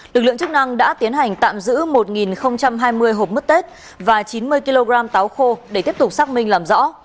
lực lượng chức năng đã tiến hành tạm giữ một hai mươi hộp mứt tết và chín mươi kg táo khô để tiếp tục xác minh làm rõ